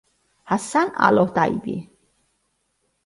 Hassan Al-Otaibi